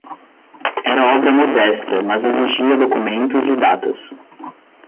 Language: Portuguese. era obra modesta, mas exigia documentos e datas